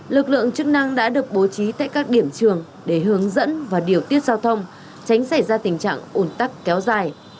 lực lượng chức năng đã được bố trí tại các điểm trường để hướng dẫn và điều tiết giao thông tránh xảy ra tình trạng ủn tắc kéo dài